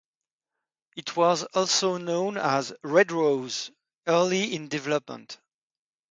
It was also known as "Red Rose" early in development.